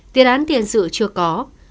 tiền án tiền sự chưa có